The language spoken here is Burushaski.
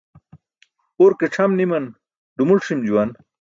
Urk c̣ʰam ni̇man dumul ṣi̇m juwan.